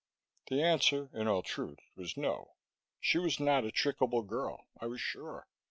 The answer, in all truth, was No. She was not a trickable girl, I was sure.